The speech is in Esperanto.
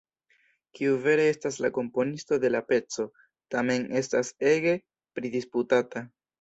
Kiu vere estas la komponisto de la peco, tamen estas ege pridisputata.